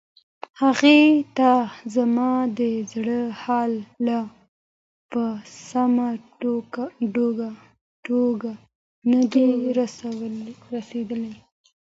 هغې ته زما د زړه حال لا په سمه توګه نه دی رسیدلی.